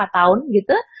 empat tahun gitu